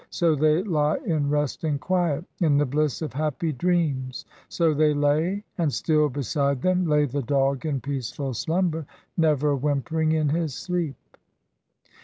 So they lie in rest and quiet. In the bliss of happy dreams." So they lay; and still, beside them, Lay the dog in peaceful slumber, Never whimpering in his sleep.